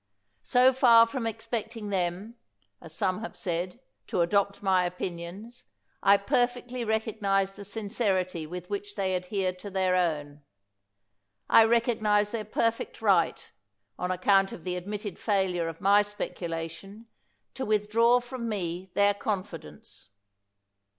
So far from expecting them, as some have said, to adopt my opinions, I per fectly recognize the sincerity with which they adhere to their own. I recognize their perfect 187 THE WORLD'S FAMOUS ORATIONS right, on account of the admitted failure of my speculation, to withdraw from me their confi dence.